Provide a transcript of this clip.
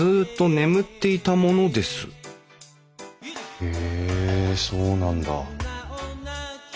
へえそうなんだ。